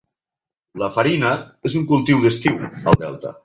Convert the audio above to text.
La farina és un cultiu d'estiu al delta.